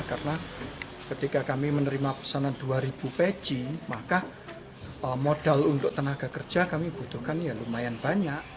karena ketika kami menerima pesanan dua peci maka modal untuk tenaga kerja kami butuhkan ya lumayan banyak